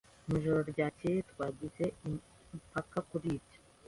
Mu ijoro ryakeye twagize impaka kuri byo.